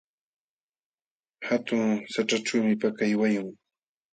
Hatun haćhachuumi pakay wayun.